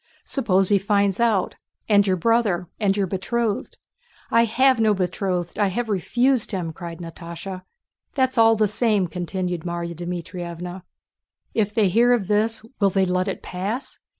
"Suppose he finds out, and your brother, and your betrothed?" "I have no betrothed: I have refused him!" cried Natásha. "That's all the same," continued Márya Dmítrievna. "If they hear of this, will they let it pass?